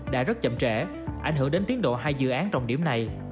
đã rất chậm trễ ảnh hưởng đến tiến độ hai dự án trọng điểm này